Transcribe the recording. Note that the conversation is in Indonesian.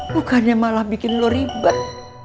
bukannya malah bikin lo riba